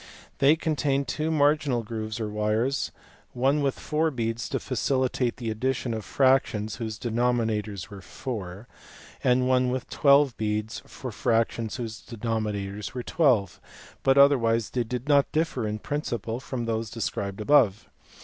They contained two marginal grooves or wires, one with four beads to facilitate the addition of fractions whose denominators were four, and one with twelve beads for fractions whose de nominators were twelve: but otherwise they do not differ in principle from those described above.